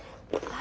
あ。